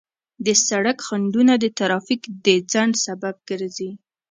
د سړک خنډونه د ترافیک د ځنډ سبب ګرځي.